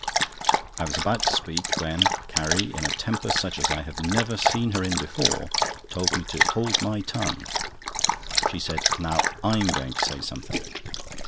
I was about to speak, when Carrie, in a temper such as I have never seen her in before, told me to hold my tongue. She said: "Now I'm going to say something!